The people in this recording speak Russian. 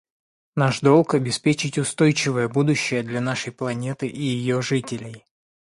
Наш долг — обеспечить устойчивое будущее для нашей планеты и ее жителей.